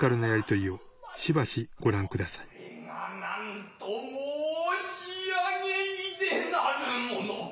これが何と申し上げいでなるものか。